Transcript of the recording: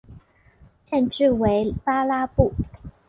县治为巴拉布。